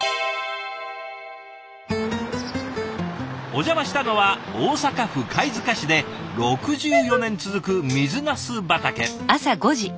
お邪魔したのは大阪府貝塚市で６４年続く水なす畑。